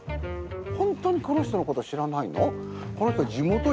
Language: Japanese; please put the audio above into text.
ホントにこの人のこと知らないの？